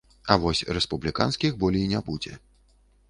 А вось рэспубліканскіх болей не будзе.